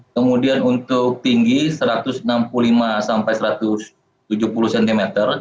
kemudian untuk tinggi satu ratus enam puluh lima sampai satu ratus tujuh puluh cm